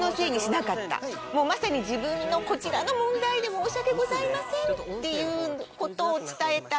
まさに自分のこちらの問題で申し訳ございませんってことを伝えた。